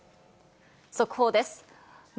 速報です。